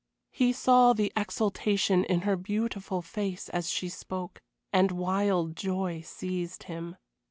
He saw the exaltation in her beautiful face as he spoke, and wild joy seized him.